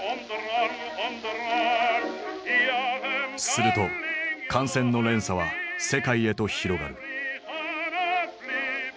すると感染の連鎖は世界へと広がる。